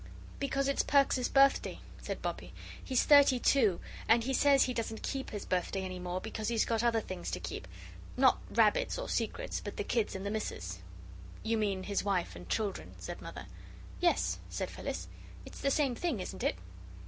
"Because it's Perks's birthday," said Bobbie; "he's thirty two, and he says he doesn't keep his birthday any more, because he's got other things to keep not rabbits or secrets but the kids and the missus." "You mean his wife and children," said Mother. "Yes," said Phyllis; "it's the same thing, isn't it?"